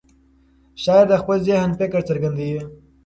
شاعر د خپل ذهن فکر څرګندوي.